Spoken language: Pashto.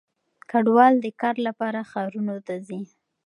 کډوال د کار لپاره ښارونو ته ځي.